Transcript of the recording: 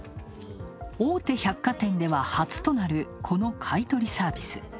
大手百貨店では初となる、この買い取りサービス。